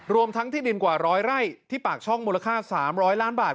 รวมทั้งที่ดินกว่าร้อยไร่ที่ปากช่องมูลค่า๓๐๐ล้านบาท